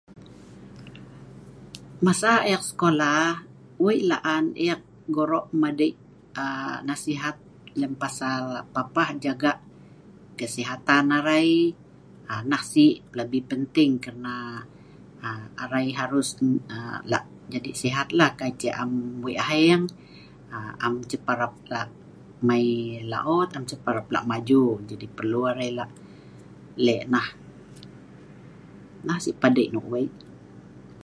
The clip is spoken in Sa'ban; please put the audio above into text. Masa ek sekolah wei' la'an ek goro' madei aaa nasihat lem pasal papah jaga' kesehatan arai, nah si pelabi penting kana aaa arai harus lah jadi sehatlah, kai ceh am wei' aheng, am ceh parap lah' mai laot, am ceh parap lah' maju. Jadi perlu arai lah' leh' nah. Nah si' padei' nok wei'.